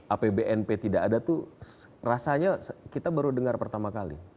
apbnp tidak ada tuh rasanya kita baru dengar pertama kali